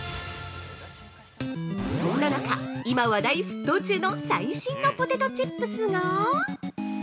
そんな中、今話題沸騰中の最新のポテトチップスが◆